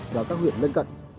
và các huyện lên cận